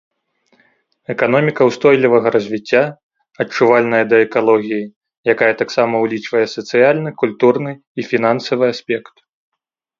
Эканоміка ўстойлівага развіцця, адчувальная да экалогіі, якая таксама ўлічвае сацыяльны, культурны і фінансавы аспект.